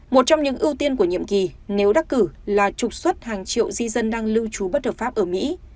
một trong những ưu tiên của nhiệm kỳ nếu đắc cử là trục xuất hàng triệu di dân đang lưu trú bất hợp pháp ở mỹ